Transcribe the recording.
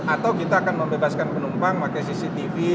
atau kita akan membebaskan penumpang pakai cctv